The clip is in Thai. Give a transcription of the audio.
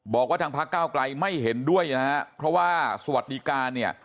บอกว่าทางพักเก้าไกลไม่เห็นด้วยนะฮะเพราะว่าสวัสดิการเนี่ย